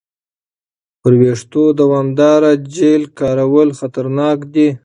پر وېښتو دوامداره جیل کارول خطرناک دي.